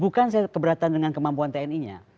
bukan saya keberatan dengan kemampuan tni nya